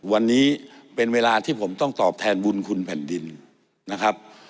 วันนี้เป็นเวลาที่ผมต้องตอบแทนบุญคุณแผ่นดินนะครับ